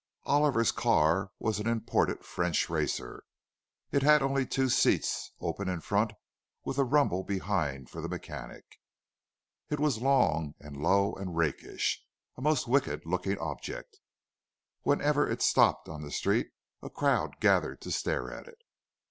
Oliver's car was an imported French racer. It had only two seats, open in front, with a rumble behind for the mechanic. It was long and low and rakish, a most wicked looking object; whenever it stopped on the street a crowd gathered to stare at it.